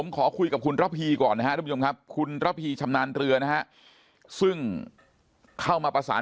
ขอคุยกับคุณระพีก่อนนะครับคุณระพีชำนาญเตือนะซึ่งเข้ามาประสาน